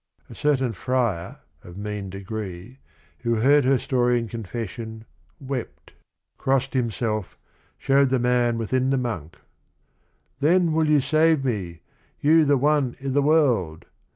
"a certain friar of mean degree Who heard her story in confession, wept, 4 50 THE RING AND THE BOOK Crossed himself, showed the man within the monk. ' Then will you save me, you the one i' the world